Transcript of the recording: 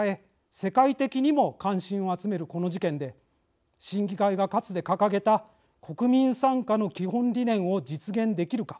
世界的にも関心を集めるこの事件で審議会がかつて掲げた国民参加の基本理念を実現できるか。